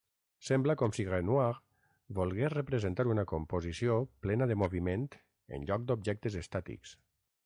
Sembla com si Renoir volgués representar una composició plena de moviment en lloc d'objectes estàtics.